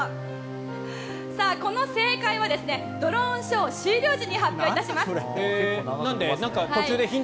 さあ、この正解はドローンショー終了時に発表いたします。